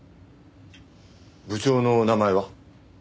部長のお名前は？